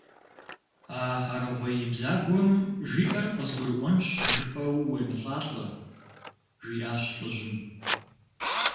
– А аргъуей бзагуэм жиӀэр къызгурыӀуэнщ жыпӀэу уемылӀалӀэ, – жиӀащ лӀыжьым.